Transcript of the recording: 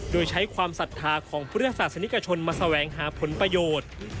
โดยใช้ความศรัทธาของพุทธศาสนิกชนมาแสวงหาผลประโยชน์